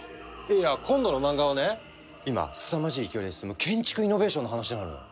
いや今度の漫画はね今すさまじい勢いで進む建築イノベーションの話なのよ。